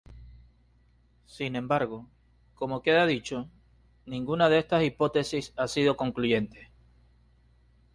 Sin embargo, como queda dicho, ninguna de estas hipótesis ha sido concluyente.